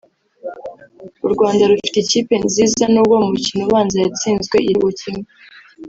u Rwanda rufite ikipe nziza nubwo mu mukino ubanza yatsinzwe igitego kimwe